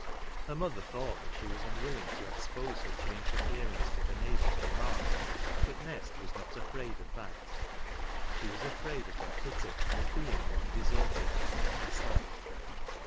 Her mother thought that she was unwilling to expose her changed appear ance to the neighbours' remarks ; but Nest was not afraid of that : she was afraid of their pity, as being one deserted and cast of.